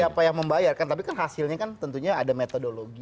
ya siapa yang membayarkan tapi kan hasilnya kan tentunya ada metodologi